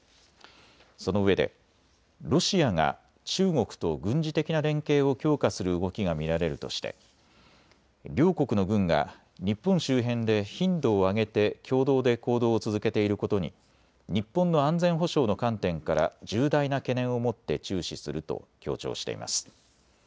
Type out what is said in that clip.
そのうえでロシアが中国と軍事的な連携を強化する動きが見られるとして両国の軍が日本周辺で頻度を上げて共同で行動を続けていることに日本の安全保障の観点から重大な懸念をもって注視すると強調しています。